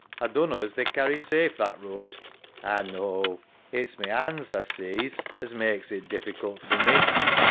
A dunno as they'd carry safe that road. SARAH. A know. It's my 'ands tha sees, as mak's it diffi cult for me.